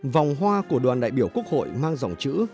vòng hoa của đoàn đại biểu quốc hội mang dòng chữ